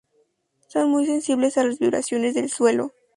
Son muy sensibles a las vibraciones del suelo.